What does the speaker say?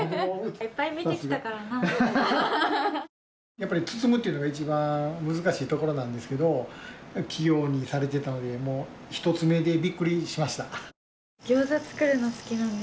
やっぱり包むっていうのが一番難しいところなんですけど器用にされてたのでもう１つ目でびっくりしました。